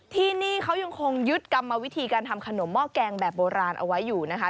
ที่นี่เขายังคงยึดกรรมวิธีการทำขนมหม้อแกงแบบโบราณเอาไว้อยู่นะคะ